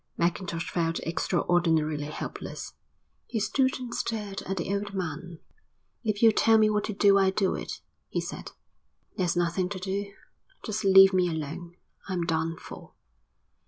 Mackintosh felt extraordinarily helpless. He stood and stared at the old man. "If you'll tell me what to do I'll do it," he said. "There's nothing to do. Just leave me alone. I'm done for."